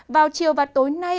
vào chiều và tối nay